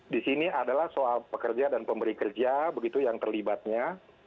di sini adalah soal pekerja dan pemberi kerja begitu yang terlibatnya